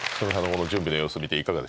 この準備の様子見ていかがでしたか？